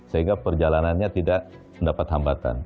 sehingga perjalanannya tidak mendapat hambatan